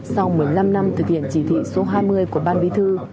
sau một mươi năm năm thực hiện chỉ thị số hai mươi của ban bí thư